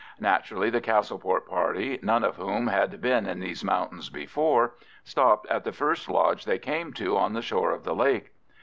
Naturally the Castleport party, none of whom had been in these mountains before, stopped at the first lodge they came to on the shore of the lake.